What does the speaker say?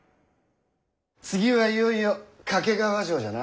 次はいよいよ懸川城じゃな。